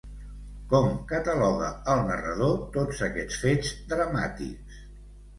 Com cataloga el narrador tots aquests fets dramàtics?